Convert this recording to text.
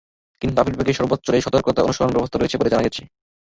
কিন্তু আপিল বিভাগের রায়ে সর্বোচ্চ সতর্কতা অনুসরণের ব্যবস্থা রয়েছে বলে জানা গেছে।